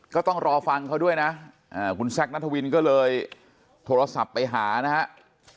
ก็ต้องรอฟังเขาด้วยนะคุณแซคนัทวินก็เลยโทรศัพท์ไปหานะครับ